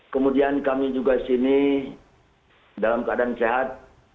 kemudian kami juga di sini dalam keadaan sehat